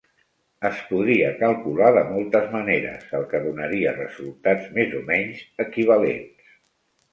Es podria calcular de moltes maneres, el que donaria resultats més o menys equivalents.